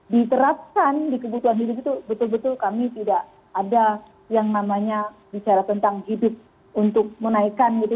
diterapkan di kebutuhan hidup itu betul betul kami tidak ada yang namanya bicara tentang hidup untuk menaikkan gitu